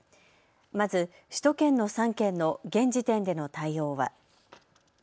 まず首都圏の３県の現時点での対応は。